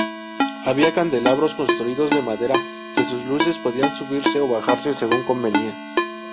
Había candelabros construidos de manera que sus luces podían subirse o bajarse según convenía.